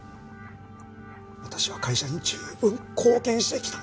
私は会社に十分貢献してきた。